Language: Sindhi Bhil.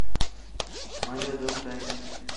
مآݩجو دوست اهي۔